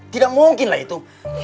tidak mungkin lah itu